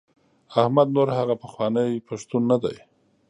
احمد نور هغه پخوانی پښتون نه دی.